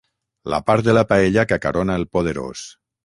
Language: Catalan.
La part de la paella que acarona el poderós.